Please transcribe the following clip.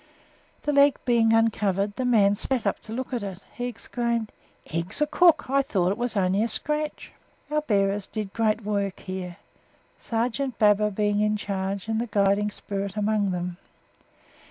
The leg being uncovered, the man sat up to look at it. He exclaimed "Eggs a cook! I thought it was only a scratch!" Our bearers did great work here, Sergeant Baber being in charge and the guiding spirit amongst them.